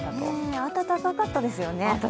暖かかったですよね。